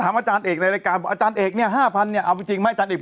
แต่ถามอาจารย์เอกในรายการอาจารย์เอกเนี่ยห้าพันเนี่ยเอาจริงไหมอาจารย์เอก